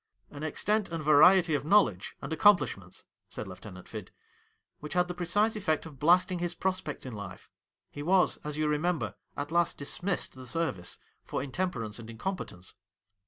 ' An extent and variety of knowledge and accomplishments,' said Lieutenant Fid, ' which had the precise effect of blasting his prospects in life. He was, as you remember, at last dismissed the service for intemperance and incompetence.'